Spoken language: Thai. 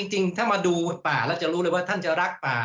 จริงถ้ามาดูป่าแล้วจะรู้เลยว่าท่านจะรักป่า